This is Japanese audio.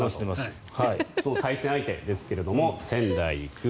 その対戦相手ですが仙台育英。